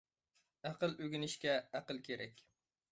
ئەقىل ئۆگىنىشكە ئەقىل كېرەك.